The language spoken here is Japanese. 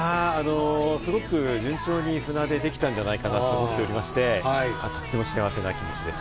すごく順調に船出できたんじゃないかと思っておりまして、とっても幸せな気持ちです。